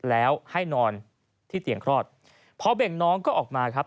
แล้วให้นอนที่เตียงคลอดพอเบ่งน้องก็ออกมาครับ